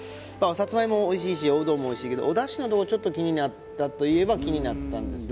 さつまいもおいしいしおうどんもおいしいけどおだしのとこちょっと気になったといえば気になったんですね